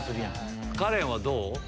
カレンはどう？